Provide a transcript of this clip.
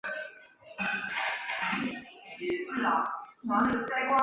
齐燮元任该委员会委员兼治安总署督办。